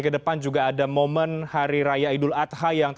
dan juga tokoh masyarakat